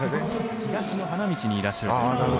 東の花道にいらっしゃるようです。